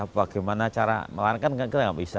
bagaimana cara melakukan kita nggak bisa